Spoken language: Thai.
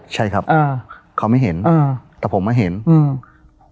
ใช่ครับอ่าเขาไม่เห็นอืมแต่ผมมาเห็นอืม